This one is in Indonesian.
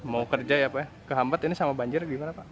mau kerja ya pak ya kehambat ini sama banjir gimana pak